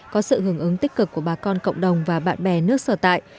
có sự hưởng ứng tích cực của bà con cộng đồng và bạn bè nước sở tại